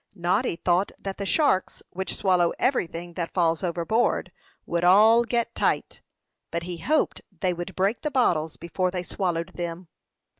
Noddy thought that the sharks, which swallow everything that falls overboard, would all get "tight;" but he hoped they would break the bottles before they swallowed them.